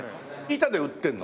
板で売ってるの？